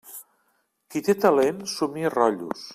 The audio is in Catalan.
Qui té talent, somia rotllos.